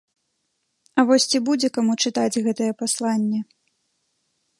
А вось ці будзе каму чытаць гэтае пасланне?